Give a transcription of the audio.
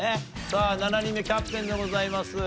さあ７人目キャプテンでございます。